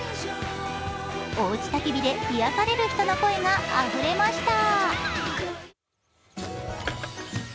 おうちたき火で癒やされる人の声があふれました。